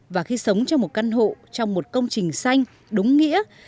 và khi sống trong một căn hộ trong một công trình xanh đúng nghĩa